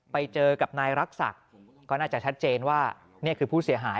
ไปเจอกับนายรักษักก็น่าจะชัดเจนว่านี่คือผู้เสียหาย